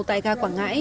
tại gà quảng ngãi